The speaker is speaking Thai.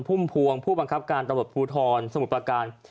พุ่มพวงผู้บังคับการตำรวจภูทรสมุทรประการ